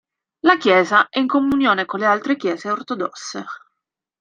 La Chiesa è in comunione con le altre Chiese ortodosse.